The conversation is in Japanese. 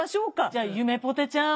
じゃあゆめぽてちゃん